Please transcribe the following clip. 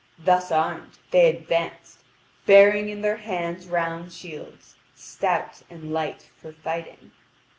Thus armed, they advanced, bearing in their hands round shields, stout and light for fighting.